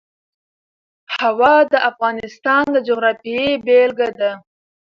هوا د افغانستان د جغرافیې بېلګه ده.